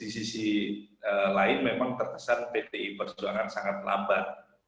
di sisi lain memang terkesan pdi perjuangan sangat lambat